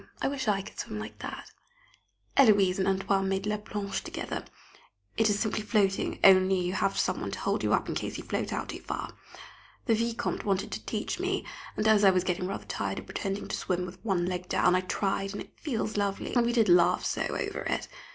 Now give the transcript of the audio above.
I wish I could swim like that. Héloise and "Antoine" made la planche together; it is simply floating, only you have some one to hold you up in case you float out too far. The Vicomte wanted to teach me, and as I was getting rather tired of pretending to swim with one leg down, I tried, and it feels lovely, and we did laugh so over it.